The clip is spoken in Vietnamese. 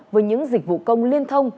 với những dịch vụ công liên thông